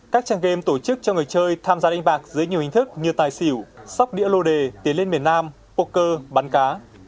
các trang game tổ chức cho người chơi tham gia đánh bạc dưới nhiều hình thức như tài xỉu sóc đĩa lô đề tiến lên miền nam poker bắn cá